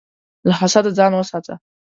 له حسده ځان وساته.